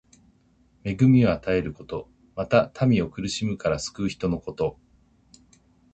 恵みを与えること。また、民を苦しみから救う人のこと。